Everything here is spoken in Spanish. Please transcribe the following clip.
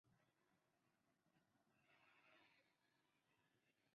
Su tono de voz o expresión ayuda a comunicar su significado.